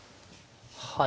はい。